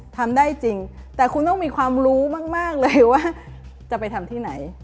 ทำได้จริงแต่คุณต้องมีความรู้มากเลยว่าจะไปทำที่ไหน